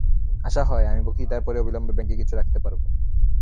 আশা হয়, আগামী বক্তৃতার পরেই অবিলম্বে ব্যাঙ্কে কিছু রাখতে পারব।